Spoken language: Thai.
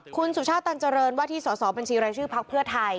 คุณสุชาติตันเจริญว่าที่สอสอบัญชีรายชื่อพักเพื่อไทย